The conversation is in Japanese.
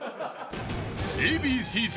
［Ａ．Ｂ．Ｃ−Ｚ